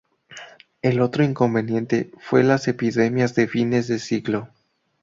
El otro inconveniente fue las epidemias de fines de siglo.